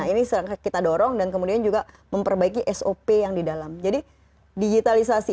ini kita dorong dan kemudian juga memperbaiki sop yang di dalam jadi digitalisasi